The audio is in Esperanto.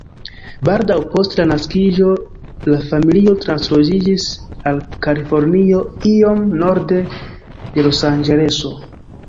Baldaŭ post la naskiĝo la familio transloĝiĝis al Kalifornio, iom norde de Losanĝeleso.